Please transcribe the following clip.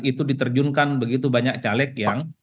itu diterjunkan begitu banyak caleg yang